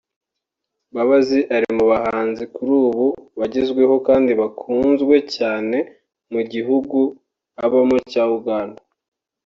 Mbabazi ari mu bahanzi kuri ubu bagezweho kandi bakunzwe cyane mu gihugu abamo cya Uganda